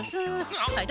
はい。